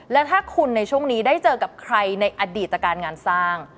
แล้วถ้าคุณในช่วงนี้ได้เจอกับใครในอดีตการงานสร้าง